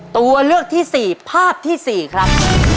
ตัวเลือกที่สี่ภาพที่สี่ครับ